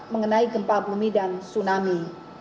mengenai gempa bumi dan tsunami